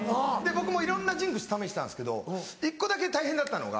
僕もいろんなジンクス試したんですけど１個だけ大変だったのが。